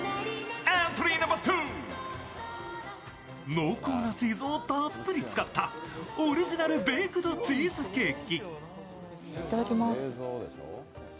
濃厚なチーズをたっぷり使ったオリジナル・ベークド・チーズケーキ。